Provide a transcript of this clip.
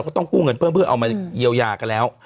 เขาต้องกู้เงินเพิ่มเพื่อเอามาเยียวยากันแล้ว